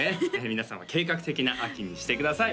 皆さんは計画的な秋にしてください